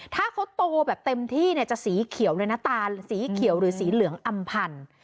ถ้าเขาโตแบบเต็มที่เสียงแบบเป็นสีเหลืองอำพันธุ์